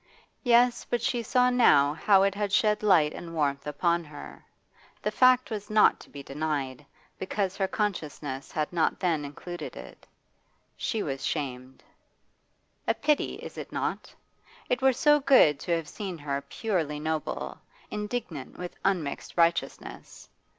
Yes, but she saw now how it had shed light and warmth upon her; the fact was not to be denied, because her consciousness had not then included it She was shamed. A pity, is it not? It were so good to have seen her purely noble, indignant with unmixed righteousness.